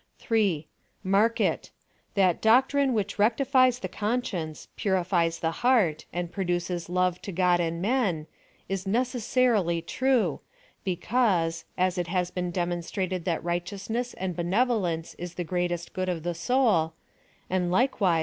3. Mark it — That doctrine which rectifies the conscience, purifies the heart, and produces love to God and men, is necessarily true, because, as it has been demonstrated that righteousness and benevo U^nce is tlie g rea(est good of the soul ; and lilct^wise PLAN OF SALx/'ATION.